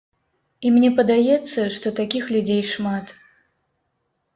І мне падаецца, што такіх людзей шмат.